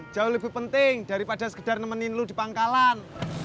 jauh lebih penting daripada sekedar nemenin lu di pangkalan